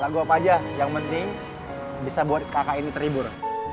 lagu apa aja yang penting bisa buat kakak ini terhibur